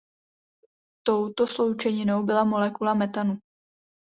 Touto sloučeninou byla molekula metanu.